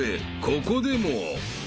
［ここでも］